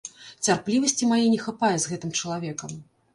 Цярплівасці мае не хапае з гэтым чалавекам.